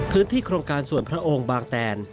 โครงการส่วนพระองค์บางแตน